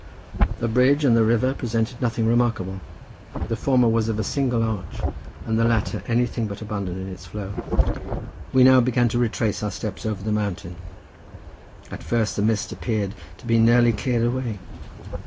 The bridge and the river presented nothing remarkable. The former was of a single arch; and the latter anything but abundant in its flow. We now began to retrace our steps over the mountain. At first the mist appeared to be nearly cleared away.